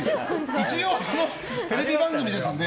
一応、テレビ番組ですんで。